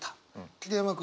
桐山君は？